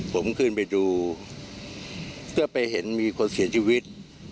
ผมขึ้นไปดูเพื่อไปเห็นมีคนเสียชีวิต